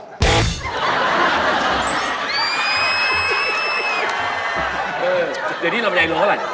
เดี๋ยวนี้ลำไยลงเท่าไหร่